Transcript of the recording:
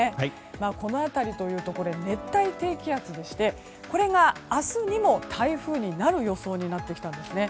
この辺りというと熱帯低気圧でしてこれが明日にも台風になる予想になってきたんですね。